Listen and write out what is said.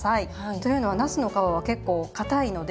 というのはなすの皮は結構硬いので。